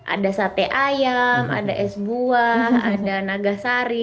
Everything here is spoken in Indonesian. ada sate ayam ada es buah ada nagasari